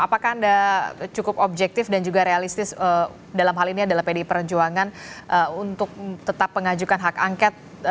apakah anda cukup objektif dan juga realistis dalam hal ini adalah pdi perjuangan untuk tetap mengajukan hak angket